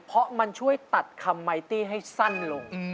เพราะมันช่วยตัดคำไมตี้ให้สั้นลง